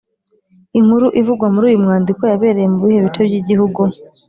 inkuru ivugwa muri uyu mwandiko yabereye mu bihe bice by’igihugu?